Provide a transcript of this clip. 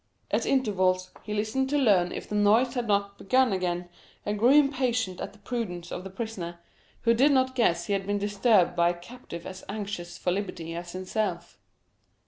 At intervals he listened to learn if the noise had not begun again, and grew impatient at the prudence of the prisoner, who did not guess he had been disturbed by a captive as anxious for liberty as himself.